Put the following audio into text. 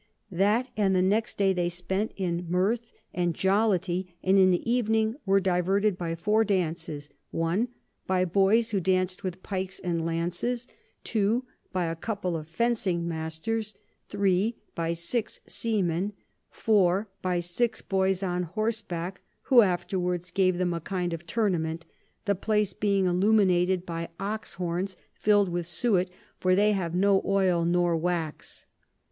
That and the next day they spent in Mirth and Jollity, and in the Evening were diverted by four Dances; 1. By Boys, who danc'd with Pikes and Lances. 2. By a couple of Fencing Masters. 3. By six Seamen. 4. By six Boys on horseback, who afterwards gave them a kind of Tournament, the place being illuminated by Ox Horns fill'd with Suet, for they have no Oil nor Wax.